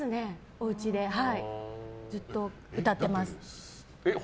おうちでずっと歌ってます。